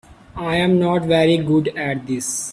I'm not very good at this.